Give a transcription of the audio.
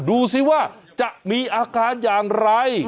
ดูสิว่าจะมีอาการอย่างไร